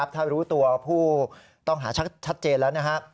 ถ้ารู้ตัวผู้ต้องหาชัดเจนแล้ว